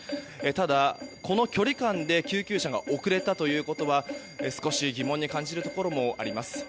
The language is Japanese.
ただ、この距離感で救急車が遅れたということは少し疑問に感じるところもあります。